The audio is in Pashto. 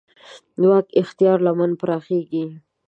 واک اختیار لمن پراخېږي.